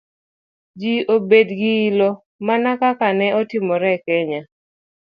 ji obed gi ilo, mana kaka ne otimore e Kenya